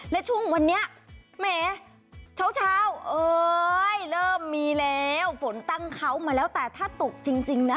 และช่วงวันนี้แหมเช้าเอ้ยเริ่มมีแล้วฝนตั้งเขามาแล้วแต่ถ้าตกจริงนะ